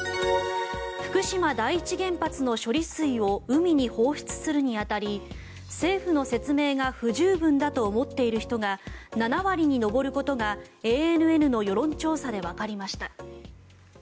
福島第一原発の処理水を海に放出するに当たり政府の説明が不十分だと思っている人が７割に上ることがＡＮＮの世論調査でわかりました。